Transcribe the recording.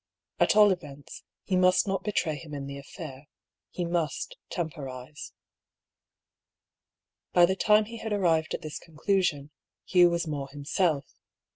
At all events, he must not betray him in the affair. He must temporise. By the time he had arrived at this conclusion, Hugh was more himself.